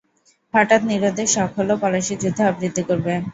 হঠাৎ নীরদের শখ হল পলাশির যুদ্ধ আবৃত্তি করবে।